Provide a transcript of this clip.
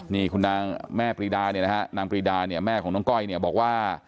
นี่คุณแม่ปรีดาแม่ของนางก้อยบอกว่า